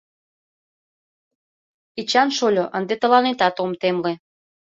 Эчан шольо, ынде тыланетат ом темле.